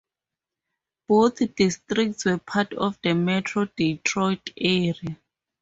Both districts were part of the Metro Detroit area.